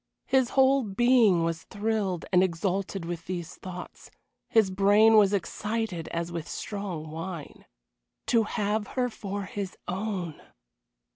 His whole being was thrilled and exalted with these thoughts; his brain was excited as with strong wine. To have her for his own!